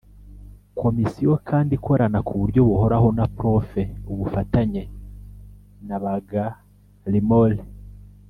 komisiyo kandi ikorana ku buryo buhoraho na prof ubufatanye na b a gallimore